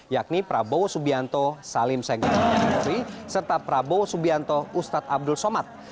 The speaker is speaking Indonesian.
yakni prabowo subianto salim segafri serta prabowo subianto ustadz abdul somad